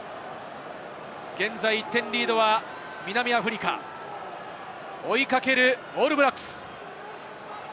現在１点リードは南アフリカ、追いかけるオールブラックス。